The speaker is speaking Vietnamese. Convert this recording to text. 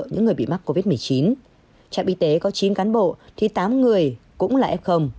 những người bị mắc covid một mươi chín trạm y tế có chín cán bộ thì tám người cũng là f